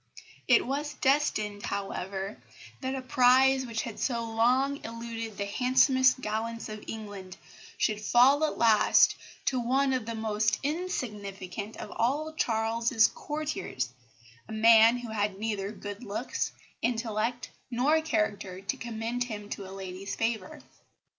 It was destined, however, that a prize which had so long eluded the handsomest gallants in England should fall at last to one of the most insignificant of all Charles's courtiers, a man who had neither good looks, intellect, nor character to commend him to a lady's favour.